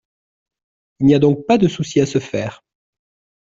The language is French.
Il n’y a donc pas de souci à se faire.